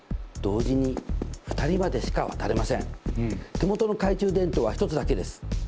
手元の懐中電灯は１つだけです。